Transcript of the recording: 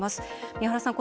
三原さん